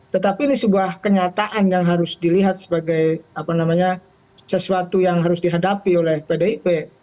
tetapi ini sebuah kenyataan yang harus dilihat sebagai sesuatu yang harus dihadapi oleh pdip